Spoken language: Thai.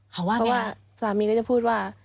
เพราะว่าสามีก็จะพูดว่า